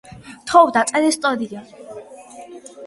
მან შექმნა საზღვრები, რომლებიც მიწისქვეშეთის ნაწილია.